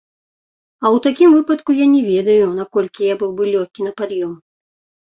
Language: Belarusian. А ў такім выпадку я не ведаю, наколькі я быў бы лёгкі на пад'ём.